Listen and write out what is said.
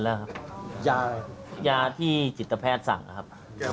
หมอบอกว่าเป็นไรครับ